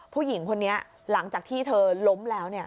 ผู้หญิงคนนี้หลังจากที่เธอล้มแล้ว